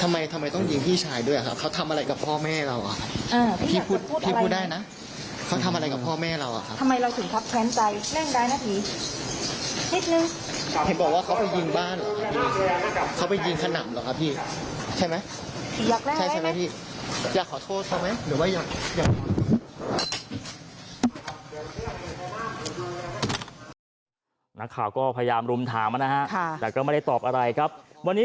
เห็นบอกว่าเขาไปยิงบ้านหรอครับพี่